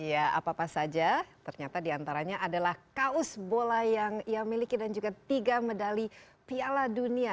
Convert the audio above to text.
ya apa apa saja ternyata diantaranya adalah kaos bola yang ia miliki dan juga tiga medali piala dunia